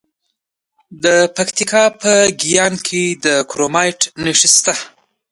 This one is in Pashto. د پکتیکا په ګیان کې د کرومایټ نښې شته.